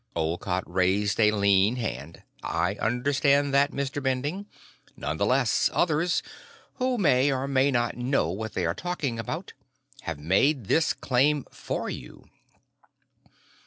Olcott raised a lean hand. "I understand that, Mr. Bending. None the less, others who may or may not know what they are talking about have made this claim for you."